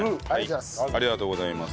ありがとうございます。